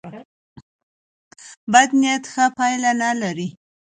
بد نیت ښه پایله نه لري.